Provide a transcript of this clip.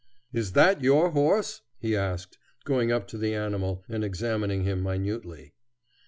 "Is that your horse?" he asked, going up to the animal and examining him minutely.